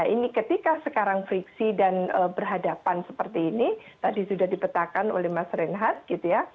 ini ketika sekarang friksi dan berhadapan seperti ini tadi sudah dipetakan oleh mas reinhardt gitu ya